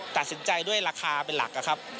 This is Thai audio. ตัดสินใจด้วยราคาเป็นหลักนะครับ